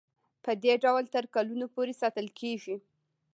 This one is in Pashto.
پدې ډول تر کلونو پورې ساتل کیږي.